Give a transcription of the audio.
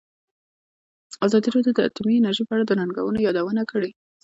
ازادي راډیو د اټومي انرژي په اړه د ننګونو یادونه کړې.